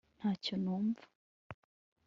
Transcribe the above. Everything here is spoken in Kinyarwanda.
ntacyo numva